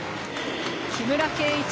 木村敬一。